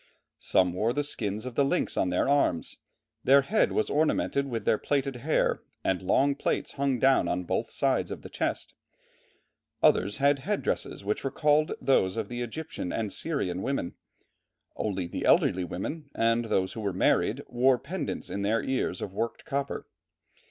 "Some wore the skins of the lynx on their arms; their head was ornamented with their plaited hair and long plaits hung down on both sides of the chest; others had headdresses which recalled those of the Egyptian and Syrian women; only the elderly women, and those who were married, wore pendants in their ears of worked copper."